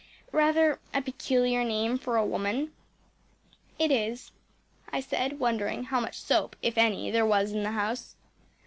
rather a peculiar name for a woman?‚ÄĚ “It is,‚ÄĚ I said, wondering how much soap, if any, there was in the house.